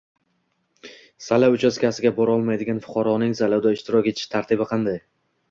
Saylov uchastkasiga bora olmaydigan fuqaroning saylovda ishtirok etish tartibi qanday?